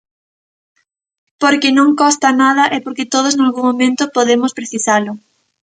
Porque non costa nada e porque todos nalgún momento podemos precisalo.